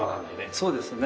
そうですね。